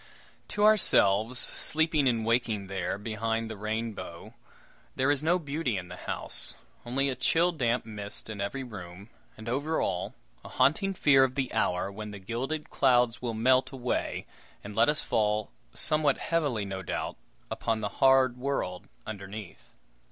To ourselves, sleeping and waking there, behind the rainbow, there is no beauty in the house; only a chill damp mist in every room, and, over all, a haunting fear of the hour when the gilded clouds will melt away, and let us fall somewhat heavily, no doubt upon the hard world underneath.